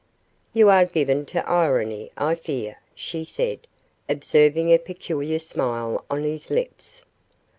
"You are given to irony, I fear," she said, observing a peculiar smile on his lips.